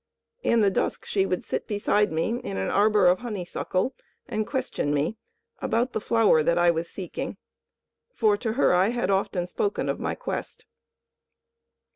In the dusk she would sit beside me in an arbour of honeysuckle and question me about the flower that I was seeking, for to her I had often spoken of my quest.